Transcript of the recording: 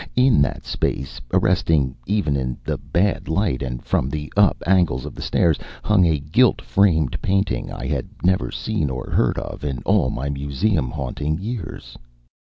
In that space, arresting even in the bad light and from the up angle of the stairs, hung a gilt framed painting I had never seen or heard of in all my museum haunting years.